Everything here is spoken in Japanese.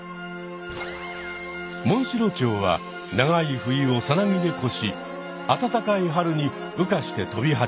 モンシロチョウは長い冬をさなぎで越し暖かい春に羽化して飛び始める。